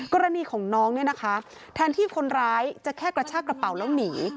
กรณีของน้องเนี่ยนะคะแทนที่คนร้ายจะแค่กระชากระเป๋าแล้วหนี